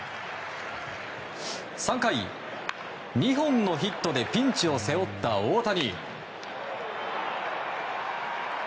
３回、２本のヒットでピンチを背負った大谷。